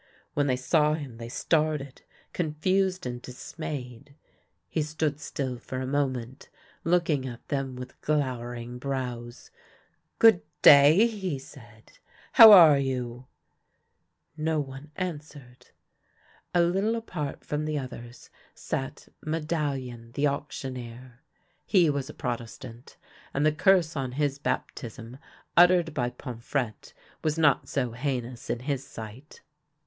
When they saw him, they started, confused and dismayed. He stood still for a moment, looking at them with glowering brows. " Good day !" he said. " How are you ?" No one answered. A little apart from the others sat Medallion the auctioneer. He was a Protestant, and the curse on his baptism uttered by Pomfrette was not so heinous in his sight.